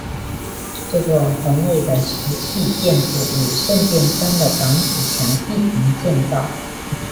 这座宏伟的石砌建筑与圣殿山的挡土墙一同建造。